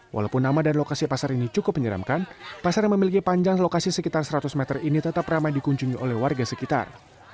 walaupun nama dan lokasi pasar ini cukup menyeramkan pasar yang memiliki panjang lokasi sekitar seratus meter ini tetap ramai dikunjungi oleh warga sekitar